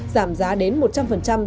giảm giá đến một trăm linh phần trăm